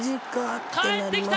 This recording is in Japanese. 帰って来た！